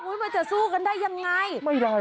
อุ้ยมันจะสู้กันได้ยังไงไม่ได้หรอกค่ะ